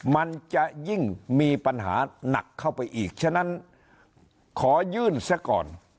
มันจะยิ่งมีปัญหาหนักเข้าไปอีกฉะนั้นขอยื่นซะก่อน